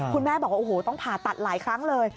คุณแม่บอกว่าโอ้โหต้องผ่าตัดหลายครั้งเลย